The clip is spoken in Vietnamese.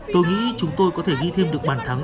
tôi nghĩ chúng tôi có thể ghi thêm được bàn thắng